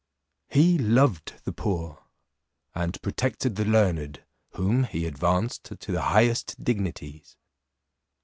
He loved the poor, and protected the learned, whom he advanced to the highest dignities.